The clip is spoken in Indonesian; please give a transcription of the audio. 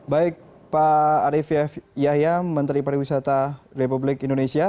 baik pak arief yah yahya menteri pariwisata republik indonesia